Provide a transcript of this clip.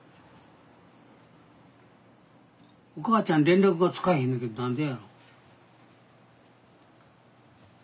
おかあちゃん連絡がつかへんのやけど何でやろ？